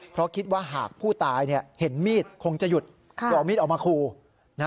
เพราะคิดว่าหากผู้ตายเห็นมีดคงจะหยุดก็เอามีดออกมาคู่